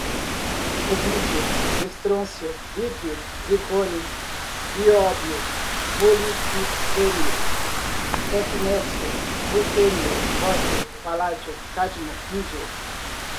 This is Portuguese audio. rubídio, estrôncio, ítrio, zircônio, nióbio, molibdênio, tecnécio, rutênio, ródio, paládio, cádmio, índio